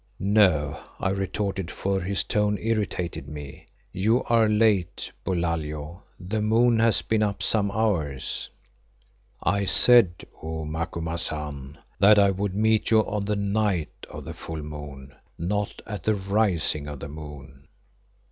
"No," I retorted, for his tone irritated me, "you are late, Bulalio, the moon has been up some hours." "I said, O Macumazahn, that I would meet you on the night of the full moon, not at the rising of the moon."